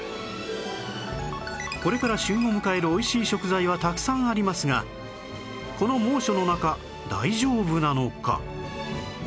これから旬を迎える美味しい食材はたくさんありますがこの猛暑の中大丈夫なのか？